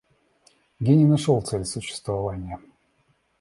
Гений нашел цель существования.